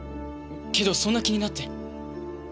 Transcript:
けどそんな気になって。